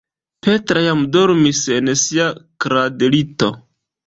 Petra jam dormis en sia kradlito.